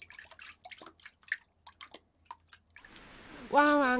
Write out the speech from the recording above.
ワンワン